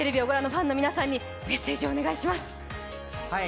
ファンの皆さんにメッセージをお願いします。